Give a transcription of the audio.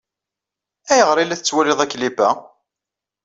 Ayɣer ay la tettwaliḍ aklip-a?